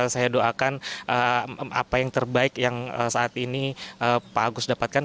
saya doakan apa yang terbaik yang saat ini pak agus dapatkan